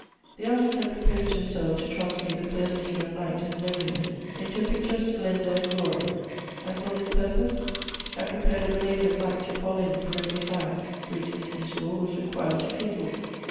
The artist had proposed to himself to transmute the first scene of night and lowliness into a picture of splendor and glory; and for this purpose had l)rei)ared a blaze of light to fill in from every side, which this interval was required to kindle.